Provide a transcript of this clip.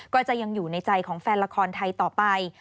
ก็จะยังอยู่ในใจของแฟนละครไทยต่อไป